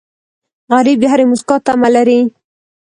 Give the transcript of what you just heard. غریب د هرې موسکا تمه لري